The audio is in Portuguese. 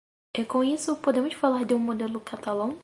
E com isso, podemos falar de um modelo catalão?